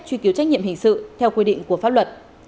truy cứu trách nhiệm hình sự theo quy định của pháp luật